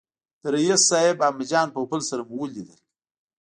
د رییس صاحب احمد جان پوپل سره مو ولیدل.